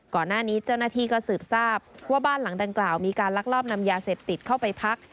ก่อนหน้านี้เจ้าหน้าที่ก็สืบทราบว่าบ้านหลังดังกล่าวมีการลักลอบนำยาเสพติดเข้าไปพัก